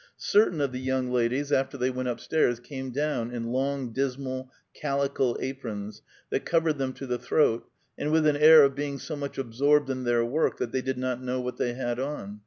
Certain of the young ladies after they went up stairs came down in long, dismal calico aprons that covered them to the throat, and with an air of being so much absorbed in their work that they did not know what they had on.